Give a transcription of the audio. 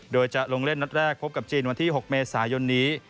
โดยจะลงเล่นนัดแรกพบกับจีนวันที่๖เมษายนนี้